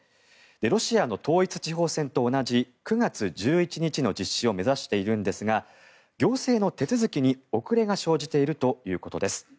ロシアの統一地方選と同じ９月１１日の実施を目指しているんですが行政の手続きに遅れが生じているということです。